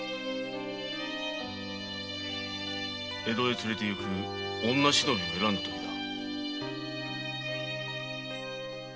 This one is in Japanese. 江戸へ連れて行く「女忍び」を選んだときだ。